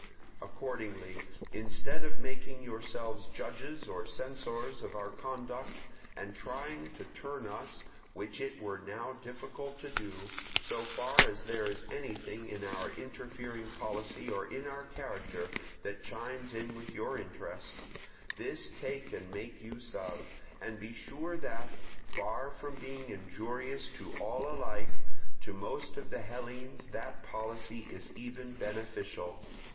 Accordingly, instead of making yourselves judges or censors of our conduct, and trying to turn us, which it were now difficult to do, so far as there is anything in our interfering policy or in our character that chimes in with your interest, this take and make use of; and be sure that, far from being injurious to all alike, to most of the Hellenes that policy is even beneficial.